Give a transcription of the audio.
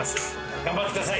頑張ってください。